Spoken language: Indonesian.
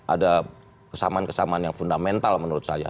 ada kesamaan kesamaan yang fundamental menurut saya